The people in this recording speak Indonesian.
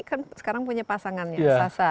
kan sekarang punya pasangannya sasa